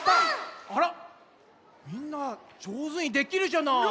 あらみんなじょうずにできるじゃない？